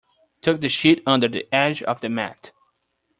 Tuck the sheet under the edge of the mat.